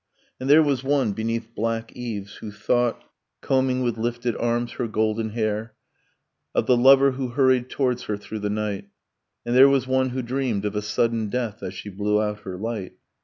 And there was one, beneath black eaves, who thought, Combing with lifted arms her golden hair, Of the lover who hurried towards her through the night; And there was one who dreamed of a sudden death As she blew out her light.